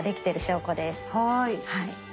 はい。